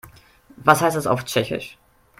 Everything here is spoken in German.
Was heißt das auf Tschechisch?